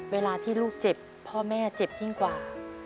เวลาที่ลูกเจ็บพ่อแม่เจ็บยิ่งกว่า